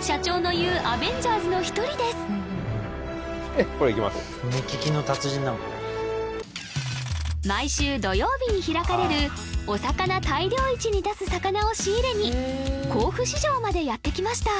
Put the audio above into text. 社長の言うアベンジャーズの一人です毎週土曜日に開かれるお魚大漁市に出す魚を仕入れに甲府市場までやって来ました